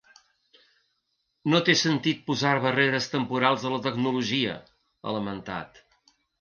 No té sentir posar barreres temporals a la tecnologia, ha lamentat.